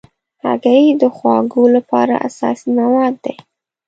هګۍ د خواږو لپاره اساسي مواد دي.